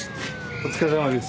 お疲れさまです。